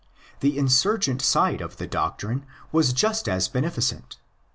The insurgent side of the doctrine was just as beneficent.